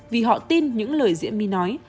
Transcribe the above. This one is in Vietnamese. vì họ tin những lời diễm my nói